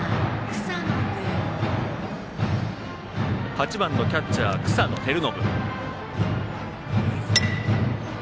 ８番のキャッチャー、草野晃伸。